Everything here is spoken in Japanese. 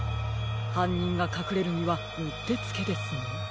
はんにんがかくれるにはうってつけですね。